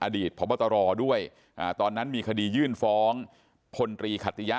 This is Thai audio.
อดีตพรบตรอด้วยอ่าตอนนั้นมีคดียื่นฟองธรรม